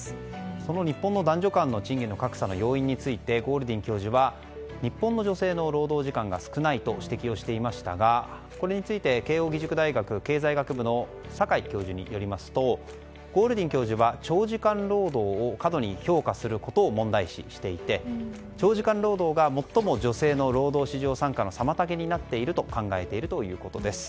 その日本の男女間の賃金の格差の要因についてゴールディン教授は日本の女性の労働時間が少ないと指摘をしていましたがこれについて慶應義塾大学経済学部の坂井教授によりますとゴールディン教授は長時間労働を過度に評価することを問題視していて長時間労働が最も女性の労働市場参加の妨げになっていると考えているということです。